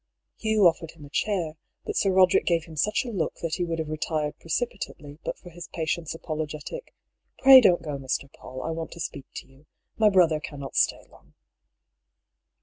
Hugh oflEered him a chair, but Sir Roderick gave him such a look that he would have retired precipitately but for his patient's apologetic —" Pray don't go, Mr. PauU, I want to speak to you. My brother cannot stay long."